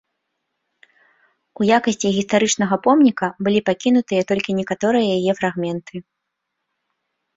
У якасці гістарычнага помніка былі пакінутыя толькі некаторыя яе фрагменты.